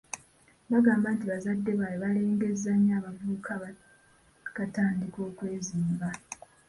Bagamba nti bazadde baabwe balengezza nnyo abavubuka abaakatandika okwezimba.